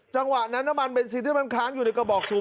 จังหวะนั้นน้ำมันเบนซินที่มันค้างอยู่ในกระบอกสูง